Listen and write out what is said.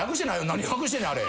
何略してんねんあれ。